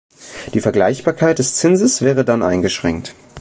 Die Vergleichbarkeit des Zinses wäre dann eingeschränkt.